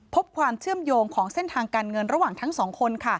พบความเชื่อมโยงของเส้นทางการเงินระหว่างทั้งสองคน